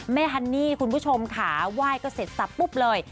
ฮันนี่คุณผู้ชมค่ะไหว้ก็เสร็จสับปุ๊บเลย